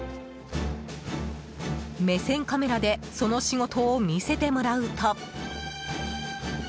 目線カメラでその仕事を見せてもらうと。